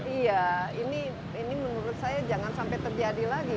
iya ini menurut saya jangan sampai terjadi lagi